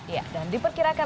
ya dan diperkirakan